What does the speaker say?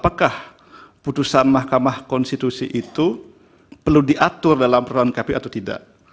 apakah putusan mahkamah konstitusi itu perlu diatur dalam peraturan kpu atau tidak